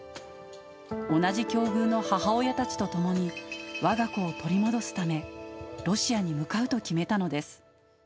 同じ境遇の母親たちと共にわが子を取り戻すため、ロシアに向かうと決めたのです。